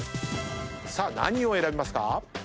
さあ何を選びますか？